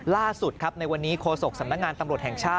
ล่าสุดครับในวันนี้โคศกสนตรช